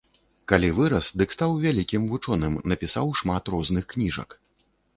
Калі вырас, дык стаў вялікім вучоным, напісаў шмат розных кніжак.